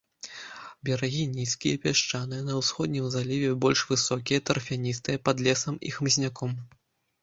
Берагі нізкія, пясчаныя, на ўсходнім заліве больш высокія, тарфяністыя, пад лесам і хмызняком.